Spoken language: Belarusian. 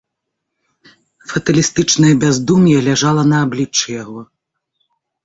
Фаталістычнае бяздум'е ляжала на абліччы яго.